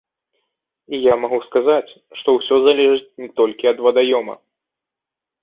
І я магу сказаць, што ўсё залежыць не толькі ад вадаёма.